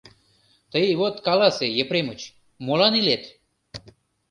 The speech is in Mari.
— Тый вот каласе, Епремыч, молан илет?